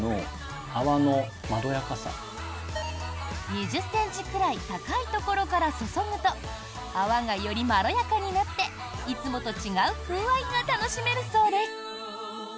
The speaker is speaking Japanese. ２０ｃｍくらい高いところから注ぐと泡がよりまろやかになっていつもと違う風合いが楽しめるそうです。